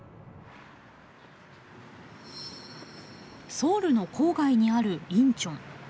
ソウルの郊外にあるインチョン。